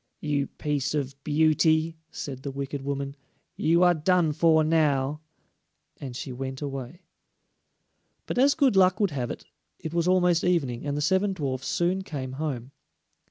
"You piece of beauty," said the wicked woman, "you are done for now," and she went away. But as good luck would have it, it was almost evening, and the seven dwarfs soon came home.